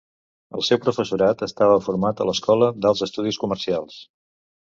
El seu professorat estava format a l'Escola d'Alts Estudis Comercials.